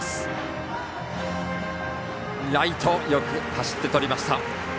ライト、よく走ってとりました。